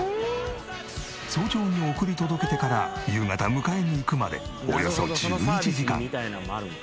早朝に送り届けてから夕方迎えに行くまでおよそ１１時間。